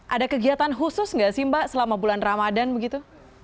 ada kegiatan khusus nggak sih mbak selama bulan ramadan begitu